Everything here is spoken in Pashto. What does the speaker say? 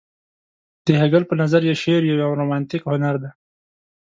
د هګل په نظر شعر يو رومانتيک هنر دى.